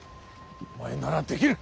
お前ならできる。